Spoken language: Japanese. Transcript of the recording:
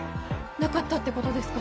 なかったってことですか？